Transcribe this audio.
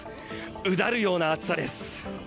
うだるような暑さです。